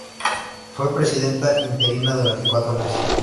Fue presidenta interina durante cuatro meses.